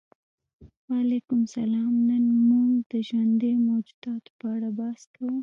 وعلیکم السلام نن موږ د ژوندیو موجوداتو په اړه بحث کوو